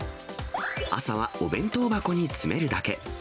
朝はお弁当箱に詰めるだけ。